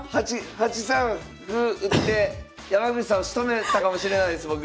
８三歩打って山口さんをしとめたかもしれないです僕！